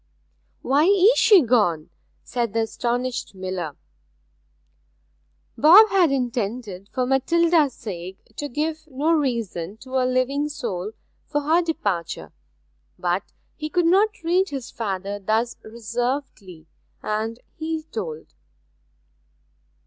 'Why is she gone?' said the astonished miller. Bob had intended, for Matilda's sake, to give no reason to a living soul for her departure. But he could not treat his father thus reservedly; and he told.